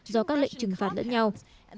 do các lệnh trừng phạt lẫn nhau